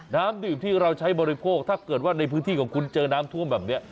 น้ำดื่มที่เราใช้บริโภคถ้าเกิดว่าในพื้นที่ของคุณเจอน้ำท่วมแบบนี้